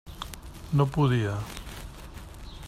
No podia.